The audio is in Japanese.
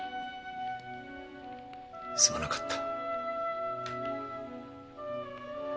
すまなかった。